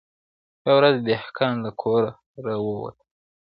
یوه ورځ دهقان له کوره را وتلی!!